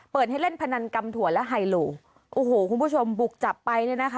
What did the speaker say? ให้เล่นพนันกำถั่วและไฮโลโอ้โหคุณผู้ชมบุกจับไปเนี่ยนะคะ